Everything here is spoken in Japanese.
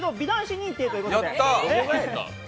認定ということで。